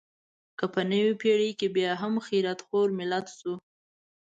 که په نوې پېړۍ کې بیا هم خیرات خور ملت شو.